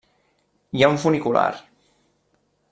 Hi ha un funicular.